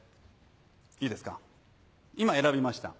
いいですか今選びました